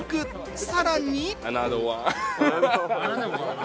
さらに。